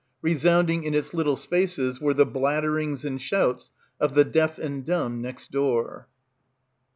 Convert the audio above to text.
Resounding in its little spaces were the blatterings and shouts of the deaf and dumb next door.